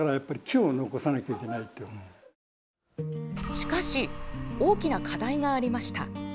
しかし大きな課題がありました。